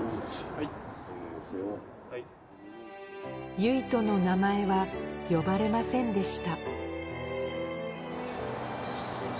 唯翔の名前は呼ばれませんでした